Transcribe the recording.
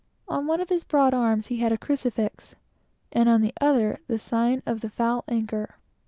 On one of his broad arms, he had the crucifixion, and on the other the sign of the "foul anchor."